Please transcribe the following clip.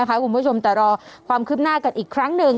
หัวชมตายรอความคุ้นหน้ากันอีกครั้งหนึ่ง